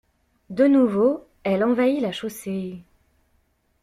De nouveau elle envahit la chaussée.